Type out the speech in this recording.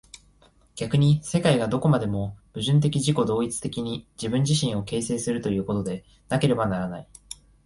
逆に世界がどこまでも矛盾的自己同一的に自己自身を形成するということでなければならない。